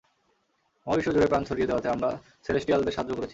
মহাবিশ্ব জুড়ে প্রাণ ছড়িয়ে দেওয়াতে আমরা সেলেস্টিয়ালদের সাহায্য করেছি।